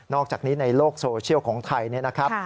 อกจากนี้ในโลกโซเชียลของไทยเนี่ยนะครับ